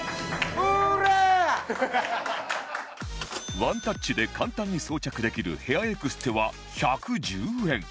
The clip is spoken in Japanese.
ワンタッチで簡単に装着できるヘアエクステは１１０円